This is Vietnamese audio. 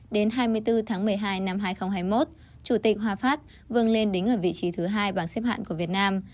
đến hai mươi bốn tháng một mươi hai năm hai nghìn hai mươi một chủ tịch hòa phát vươn lên đứng ở vị trí thứ hai bảng xếp hạng của việt nam